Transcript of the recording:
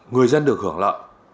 người dân được hưởng lợi